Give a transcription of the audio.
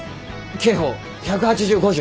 刑法１８５条。